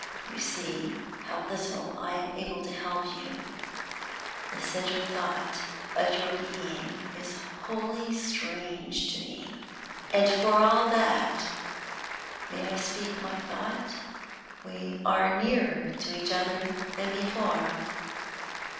You see how little able I am to help you; the centre thought of your being is wholly strange to me. And for all that may I speak my thought? we are nearer to each other than before."